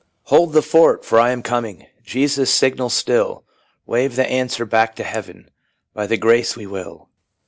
"' Hold the fort, for I am coming,' Jesus signals still ; Wave the answer back to heaven, ' By thy grace we will.'